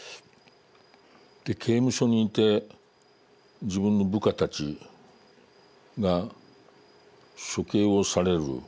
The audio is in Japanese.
刑務所にいて自分の部下たちが処刑をされる。